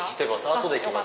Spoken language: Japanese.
後できます。